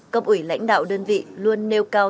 cấp ủy lãnh đạo đơn vị luôn nêu cao